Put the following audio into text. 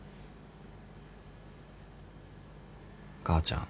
母ちゃん。